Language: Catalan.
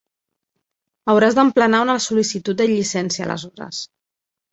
Hauràs d'emplenar una sol·licitud de llicència aleshores.